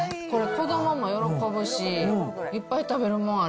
これ子どもも喜ぶし、いっぱい食べるもんある。